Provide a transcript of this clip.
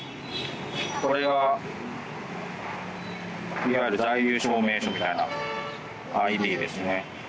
いわゆる在留証明書みたいなＩＤですね。